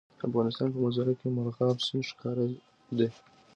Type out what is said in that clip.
د افغانستان په منظره کې مورغاب سیند ښکاره ده.